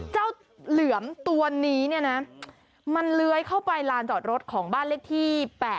เหลือมตัวนี้เนี่ยนะมันเลื้อยเข้าไปลานจอดรถของบ้านเลขที่๘